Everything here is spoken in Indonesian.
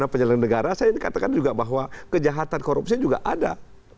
penyelenggara negara saya ingin katakan juga bahwa kejahatan korupsi juga ada